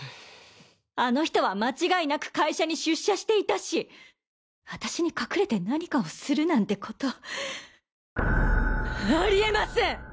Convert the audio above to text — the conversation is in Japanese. あの人は間違いなく会社に出社していたし私に隠れて何かをするなんてことありえません！